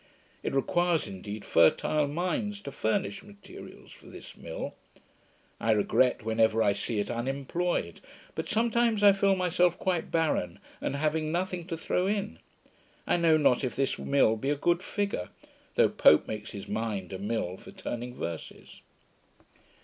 It requires, indeed, fertile minds to furnish materials for this mill. I regret whenever I see it unemployed; but sometimes I feel myself quite barren, and having nothing to throw in. I know not if this mill be a good figure; though Pope makes his mind a mill for turning verses.